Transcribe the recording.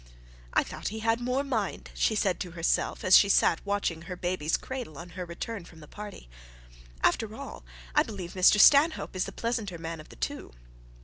'I thought he had more mind,' she said to herself, as she sat watching her baby's cradle on her return from the party. 'After all, I believe Mr Stanhope is the pleasanter man of the two.'